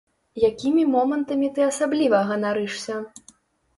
Якімі момантамі ты асабліва ганарышся?